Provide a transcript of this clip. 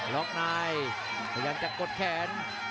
ล็อกในพยายามจะกดแขน